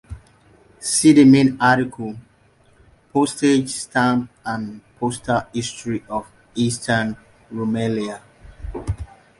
See the main article, Postage stamps and postal history of Eastern Rumelia.